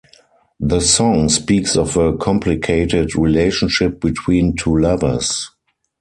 The song speaks of a complicated relationship between two lovers.